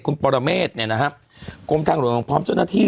คุณปรเมฆเนี่ยนะฮะกรมทางหลวงพร้อมเจ้าหน้าที่